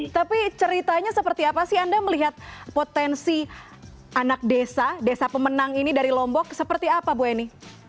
tapi ceritanya seperti apa sih anda melihat potensi anak desa desa pemenang ini dari lombok seperti apa bu eni